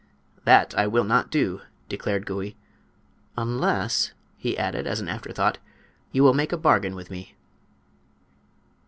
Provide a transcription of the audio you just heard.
"That I will not do," declared Gouie; "unless," he added, as an afterthought, "you will make a bargain with me."